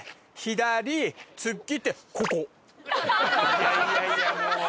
いやいやいやもう。